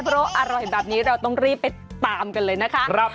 เพราะอร่อยแบบนี้เราต้องรีบไปตามกันเลยนะคะ